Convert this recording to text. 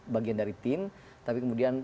bagian dari tim tapi kemudian